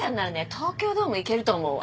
東京ドームいけると思うわ。